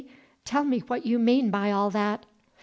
Tell me what you mean by all that."